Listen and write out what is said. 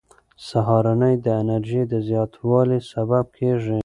سهارنۍ د انرژۍ د زیاتوالي سبب کېږي.